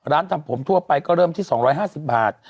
ทำผมทั่วไปก็เริ่มที่๒๕๐บาท